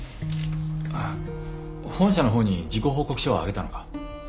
あっ本社の方に事故報告書はあげたのか？